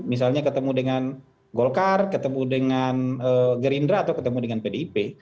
misalnya ketemu dengan golkar ketemu dengan gerindra atau ketemu dengan pdip